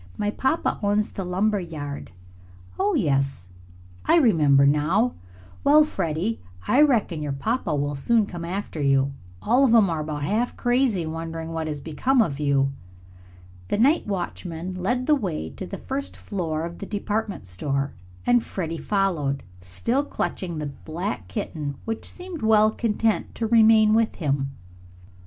My papa owns the lumber yard." "Oh, yes, I remember now. Well, Freddie, I reckon your papa will soon come after you. All of 'em are about half crazy, wondering what has become of you." The night watchman led the way to the first floor of the department store and Freddie followed, still clutching the black kitten, which seemed well content to remain with him.